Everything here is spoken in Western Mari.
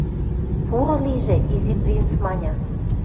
— Пуры лижӹ, — Изи принц маньы.